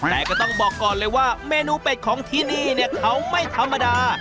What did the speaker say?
แต่ก็ต้องบอกก่อนเลยว่าเมนูเป็ดของที่นี่เนี่ยเขาไม่ธรรมดา